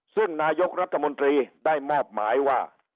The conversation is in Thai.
ซึ่งนายกรัฐมนตรีได้มอบหมายว่า